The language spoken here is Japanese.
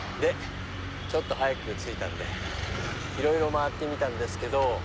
ちょっと早く着いたんでいろいろ回ってみたんですけど。